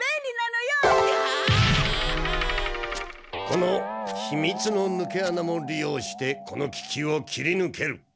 このひみつのぬけあなも利用してこの危機を切りぬける！